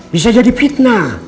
bisa jadi fitnah